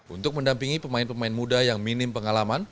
untuk mendampingi pemain pemain muda yang minim pengalaman